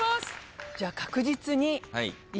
じゃ確実に。